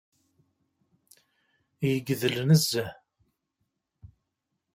Yegdel nezzeh.